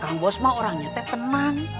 kang bos mah orangnya teh tenang